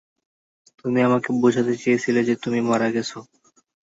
তুমি আমাকে বুঝাতে চেয়েছিলে যে তুমি মারা গেছো।